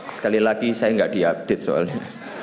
sekali lagi saya nggak diupdate soalnya